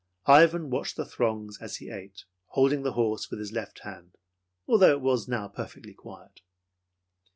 Ivan watched the throngs as he ate, holding the horse with his left hand, although it was now perfectly quiet.